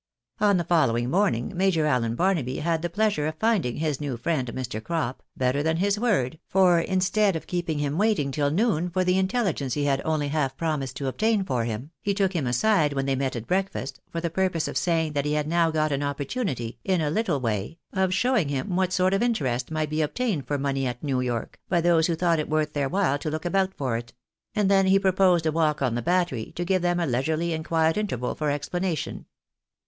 On the following morning Major Allen Barnaby had the pleasure of finding his new friend, Mr. Crop, better than his word, for instead of keeping him waiting till noon for the intelligence he had only half promised to obtain for him, he took him aside when they met at breakfast, for the purpose of saying that he had now got an opportunity, in a little way, of showing him what sort of interest might be obtained for money at New York, by those who thought it worth their while to look about for it ; and then he proposed a walk on the Battery, to give them a leisurely and quiet interval for explanation.